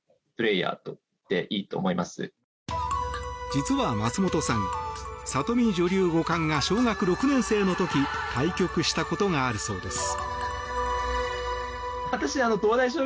実は松本さん、里見女流五冠が小学６年生の時対局したことがあるそうです。